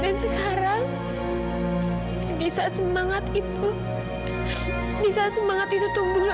dan sekarang di saat semangat itu di saat semangat itu tumbuh lagi